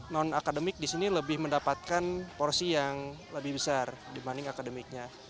non akademik di sini lebih mendapatkan porsi yang lebih besar dibanding akademiknya